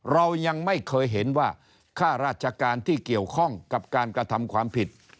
เรายังไม่เคยเห็นว่าค่าราชการที่เกี่ยวข้องกับการกระทำความผิด